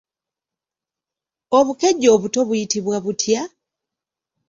Obukejje obuto buyitibwa butya?